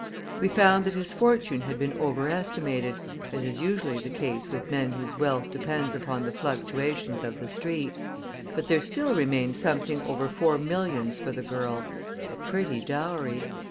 We found that his fortune had been over estimated, as is usually the case with men whose wealth depends upon the fluctuations of the Street, but there still remained something over four millions for the girl a pretty dowry.